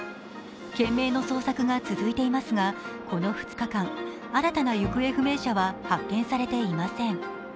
懸命の捜索が続いていますが、この２日間、新たな行方不明者は発見されていません。